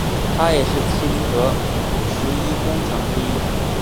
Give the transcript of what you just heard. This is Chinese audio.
他也是麒麟阁十一功臣之一。